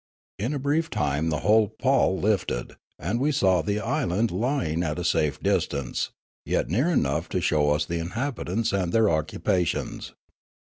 In a brief time the whole pall lifted, and we saw the island lying at a safe distance, j et near enough to show us the inhabitants and their occupations.